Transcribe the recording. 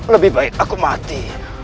lebih baik aku mati